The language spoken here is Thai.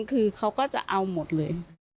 คือเขาก็จะเอาหมดเลย